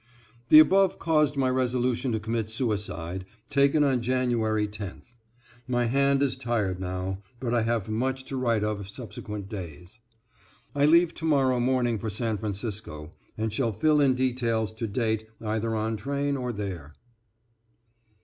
The above caused my resolution to commit suicide, taken on January 10th. My hand is tired now, but I have much to write of subsequent days. I leave to morrow morning for San Francisco, and shall fill in details to date either on train or there.